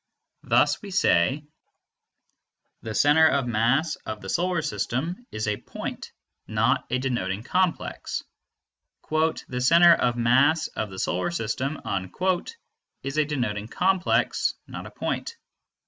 Thus we say: The center of mass of the Solar System is a point, not a denoting complex; "The center of mass of the Solar System" is a denoting complex, not a point.